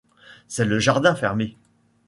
C’est le jardin fermé.